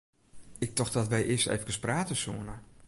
Ik tocht dat wy earst eefkes prate soene.